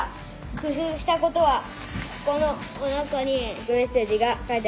工夫したことはこのおなかにメッセージが書いてあります。